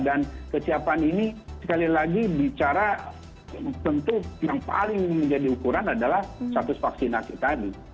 dan kesiapan ini sekali lagi bicara bentuk yang paling menjadi ukuran adalah status vaksinasi tadi